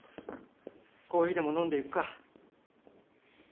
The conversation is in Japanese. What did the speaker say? コーヒーでも飲んでいくか。